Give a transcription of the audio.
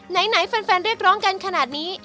ไหนแฟนเรียกร้องกันขนาดนี้